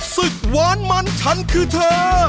หวานมันฉันคือเธอ